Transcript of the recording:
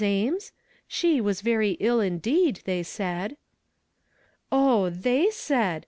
Ames .' She was very ill indeed, they said " "Oh, 'they said'!